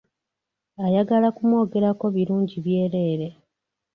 Ayagala kumwogerako birungi byereere.